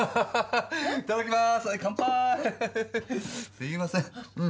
すいません。